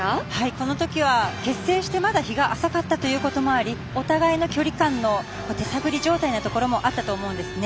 このときは結成してまだ日が浅かったということでお互いの距離感手探り状態のところもあったと思うんですね。